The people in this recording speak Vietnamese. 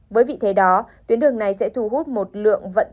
với vị thế đó tuyến đường này sẽ thu hút một lượng vận tải